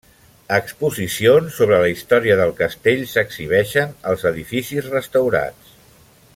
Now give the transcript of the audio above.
Exposicions sobre la història del castell s'exhibeixen als edificis restaurats.